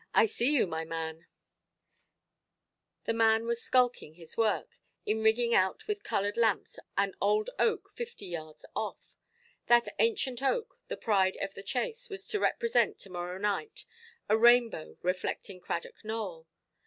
I see you, my man". The man was skulking his work, in rigging out with coloured lamps an old oak fifty yards off. That ancient oak, the pride of the chase, was to represent, to–morrow night, a rainbow reflecting "Cradock Nowell".